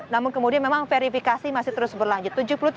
namun kemudian memang verifikasi masih terus berlanjut